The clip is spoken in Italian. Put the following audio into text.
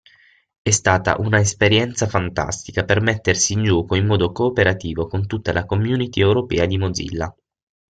È stata una esperienza fantastica per mettersi in gioco in modo cooperativo con tutta la community Europea di Mozilla.